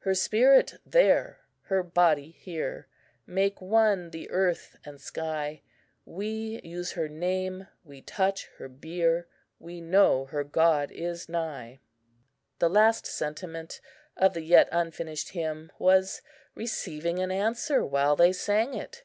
"Her spirit there, her body here, Make one the earth and sky; We use her name, we touch her bier, We know her God is nigh." The last sentiment of the yet unfinished hymn was receiving an answer while they sang it.